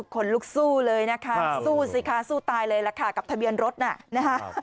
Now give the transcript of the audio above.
คนลุกสู้เลยนะคะสู้สิคะสู้ตายเลยล่ะค่ะกับทะเบียนรถน่ะนะคะ